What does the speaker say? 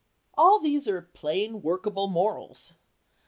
All these are plain workable morals.